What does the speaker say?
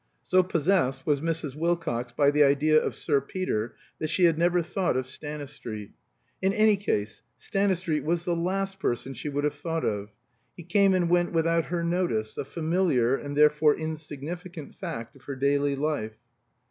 So possessed was Mrs. Wilcox by the idea of Sir Peter that she had never thought of Stanistreet. In any case Stanistreet was the last person she would have thought of. He came and went without her notice, a familiar, and therefore insignificant, fact of her daily life.